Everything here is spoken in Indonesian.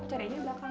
carinya di belakang